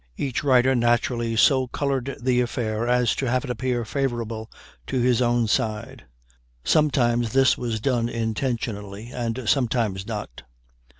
Each writer naturally so colored the affair as to have it appear favorable to his own side. Sometimes this was done intentionally and sometimes not.